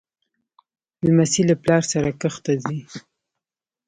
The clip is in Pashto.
لمسی له پلار سره کښت ته ځي.